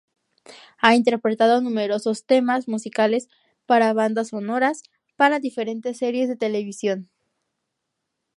Ha interpretado numerosos temas musicales para bandas sonoras, para diferentes series de televisión.